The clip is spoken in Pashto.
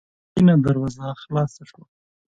لرګينه دروازه خلاصه شوه.